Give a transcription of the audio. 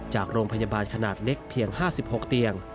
จากโรงพยาบาลขนาดเล็กเพียง๕๖เตียง